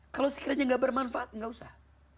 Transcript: kalau sekiranya gak bermanfaat nggak usah